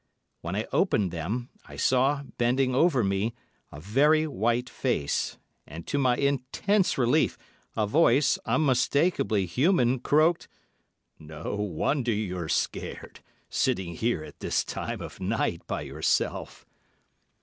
When I opened them, I saw, bending over me, a very white face, and to my intense relief a voice, unmistakably human, croaked, "No wonder you're scared, sitting here at this time of night by yourself."